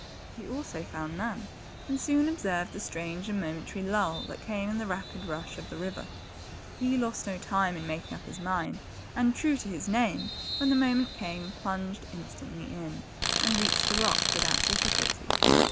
He also found none, and soon observed the strange and momentary lull that came in the rapid rush of the river. He lost no time in making up his mind, and, true to his name, when the moment came, plunged instantly in, and reached the rock without difficulty.